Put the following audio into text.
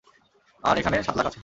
আর এখানে সাত লাখ আছে।